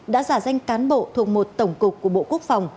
đã giả danh cán bộ thuộc một tổng cục của bộ quốc phòng